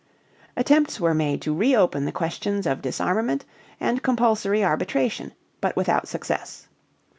Attempts were made to reopen the questions of disarmament and compulsory arbitration, but without success.